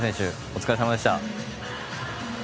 お疲れさまでした。